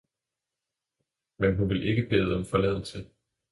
»Men hun vil ikke bede om Forladelse!